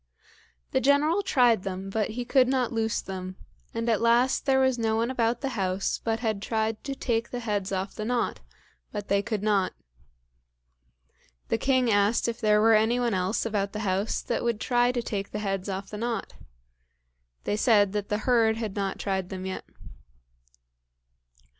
The General tried them, but he could not loose them, and at last there was no one about the house but had tried to take the heads off the knot, but they could not. The king asked if there were any one else about the house that would try to take the heads off the knot. They said that the herd had not tried them yet.